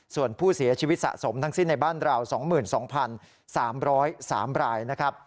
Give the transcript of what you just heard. ส่วนผู้เสียชีวิตสะสมทั้งสิ้นในบ้านเรา๒๒๓๐๓รายนะครับ